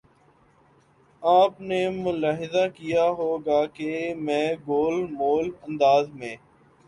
آپ نے ملاحظہ کیا ہو گا کہ میں گول مول انداز میں